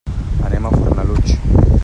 Anem a Fornalutx.